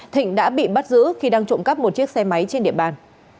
thịnh đã bị bắt giữ khi đang trộm cắp một chiếc xe máy trên địa bàn